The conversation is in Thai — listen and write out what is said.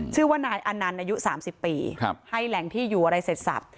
ชื่อว่านายอนันต์อายุ๓๐ปีให้แหล่งที่อยู่อะไรเสร็จสับ